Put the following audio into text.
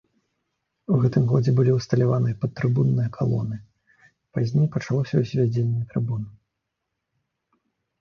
У гэтым годзе былі ўсталяваныя падтрыбунныя калоны, пазней пачалося ўзвядзенне трыбун.